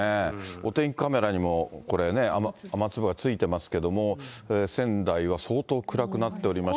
お天気カメラにも、これ、雨粒がついていますけれども、仙台は相当暗くなっておりまして。